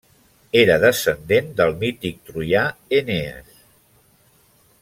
Era descendent del mític troià Enees.